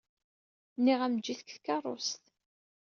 Nniɣ-am eǧǧ-it deg tkeṛṛust.